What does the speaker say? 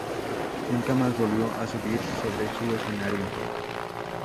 Nunca más volvió a subir sobre un escenario.